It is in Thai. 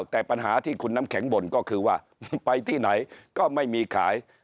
แต่ปัญหาที่คุณน้ำแข็งบ่นก็คือว่าไปที่ไหนก็ไม่มีขาย